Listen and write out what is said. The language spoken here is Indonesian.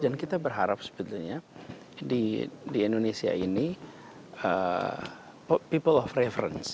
dan kita berharap sebetulnya di indonesia ini people of reference